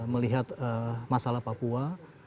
melihat masalah papua